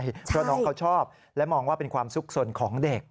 เพราะน้องเขาชอบและมองว่าเป็นความสุขสนของเด็ก